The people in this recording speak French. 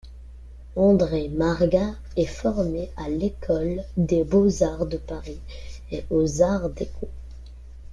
André Margat est formé à l'école des beaux-arts de Paris et aux Arts déco.